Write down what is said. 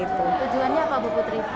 tujuannya apa bu putri